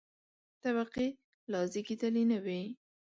طبقې لا زېږېدلې نه وې.